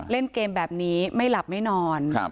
เล่นเกมแบบนี้ไม่หลับไม่นอน